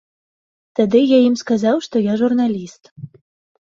Тады я ім сказаў, што я журналіст.